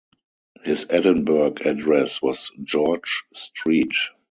His Edinburgh address was George Street.